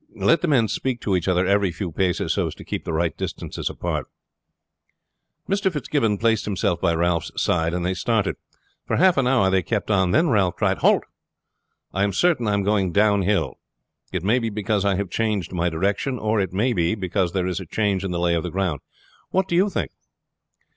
Let the men speak to each other every few paces so as to keep the right distances apart." Mr. Fitzgibbon placed himself by Ralph's side, and they started. For half an hour they kept on, then Ralph cried, "Halt. I am certain I am going downhill, it may be because I have changed my direction, or it may be because there is a change in the lay of the ground. What do you think?"